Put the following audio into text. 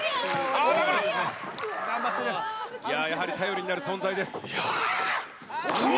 いやぁ、やはり頼りになる存在です。